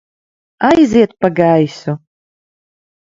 Aiziet pa gaisu!